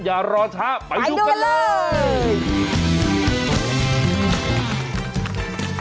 อย่ารอเช้าไปดูกันเลยไปดูกันเลย